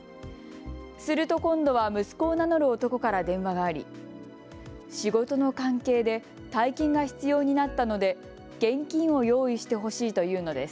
すると今度は息子を名乗る男から電話があり、仕事の関係で大金が必要になったので現金を用意してほしいと言うのです。